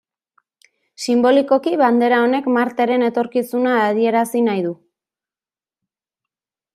Sinbolikoki bandera honek Marteren etorkizuna adierazi nahi du.